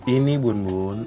ini bun bun